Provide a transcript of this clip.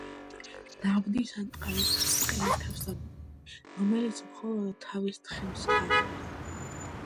ნაბდის ან ტყავის ბრტყელი თავსაბურავი, რომელიც მხოლოდ თავის თხემს ფარავდა.